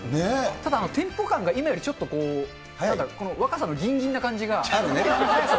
ただ、テンポ感が今よりちょっと、若さのぎんぎんな感じがある。